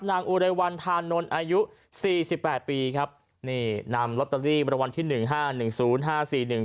อุไรวันธานนท์อายุสี่สิบแปดปีครับนี่นำลอตเตอรี่มาวันที่หนึ่งห้าหนึ่งศูนย์ห้าสี่หนึ่ง